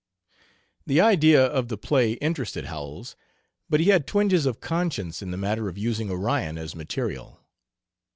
The idea of the play interested Howells, but he had twinges of conscience in the matter of using Orion as material.